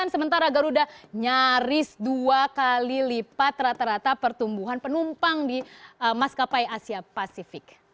sementara garuda nyaris dua kali lipat rata rata pertumbuhan penumpang di maskapai asia pasifik